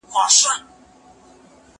زه اوږده وخت د سبا لپاره د ليکلو تمرين کوم،